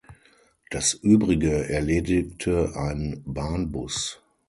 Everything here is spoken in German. Das Übrige erledigte ein Bahnbus.